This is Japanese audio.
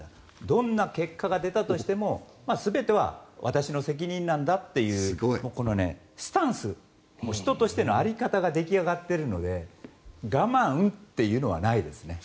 どんな結果が出たとしても全ては私の責任なんだっていうこのスタンス人としての在り方が出来上がっているのですごいな。